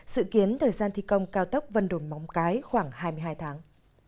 sự kiến thời gian thi công cao tốc vân đồn móng cái khoảng hai mươi hai tháng